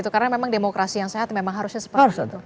karena memang demokrasi yang sehat memang harusnya sepenuhnya